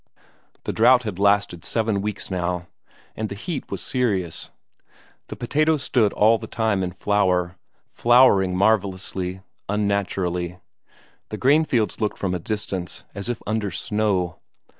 The drought had lasted seven weeks now, and the heat was serious; the potatoes stood all the time in flower; flowering marvellously, unnaturally. The cornfields looked from a distance as if under snow.